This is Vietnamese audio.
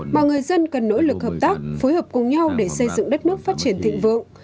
mà người dân cần nỗ lực hợp tác phối hợp cùng nhau để xây dựng đất nước phát triển thịnh vượng